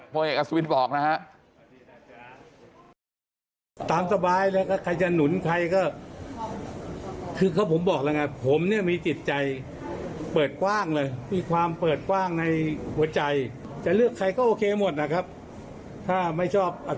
โพยกอัศวินบอกนะครับ